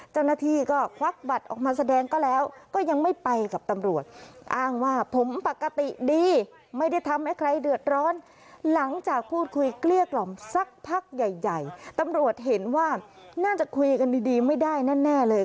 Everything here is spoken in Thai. เห็นว่าน่าจะคุยกันดีไม่ได้แน่เลย